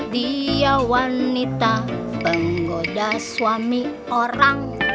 dia wanita penggoda suami orang